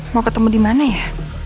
mau ketemu dimana ya